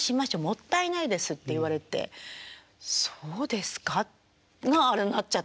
もったいないです」って言われて「そうですか？」があれになっちゃったんですよ。